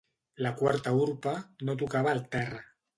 La quarta urpa no tocava el terra.